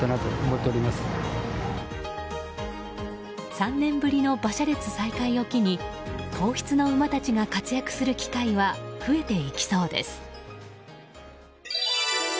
３年ぶりの馬車列再開を機に皇室の馬たちが活躍する機会は増えていきそうです。